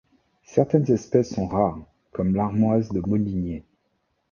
Certaines espèces sont rares, comme l'armoise de Molinier.